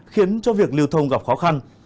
khiến cho việc lưu thông gặp khó khăn